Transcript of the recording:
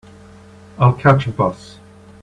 I'll catch a bus.